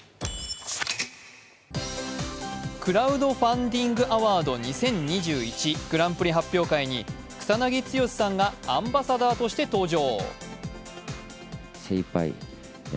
クラウドファンディングアワード２０２１、グランプリ発表会に草なぎ剛さんがアンバサダーとして登場。